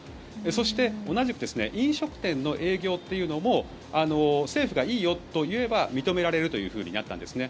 そして同じく飲食店の営業というのも政府がいいよと言えば認められるとなったんですね。